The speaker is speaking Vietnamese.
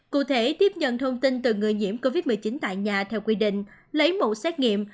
cụ thể tiếp nhận thông tin từ người nhiễm covid một mươi chín tại nhà theo quy định lấy mẫu xét nghiệm